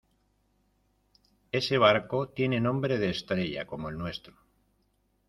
ese barco tiene nombre de estrella como el nuestro.